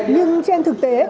nhưng trên thực tế